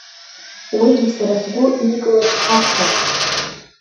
Уигьы сара сгәы никыларц акәхап.